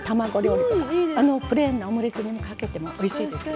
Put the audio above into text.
あのプレーンなオムレツにもかけてもおいしいですよ。